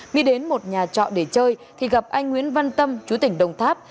mi đến một nhà trọ để chơi thì gặp anh nguyễn văn tâm chú tỉnh đồng tháp